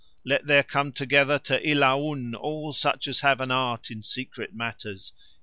Let there come together to Ilaun all such as have an art in secret matters.